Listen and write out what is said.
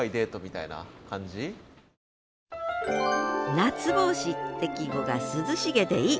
「夏帽子」って季語が涼しげでいい。